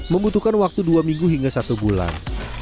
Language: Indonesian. membutuhkan waktu dua minggu hingga satu bulan